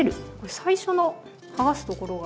最初のはがすところが。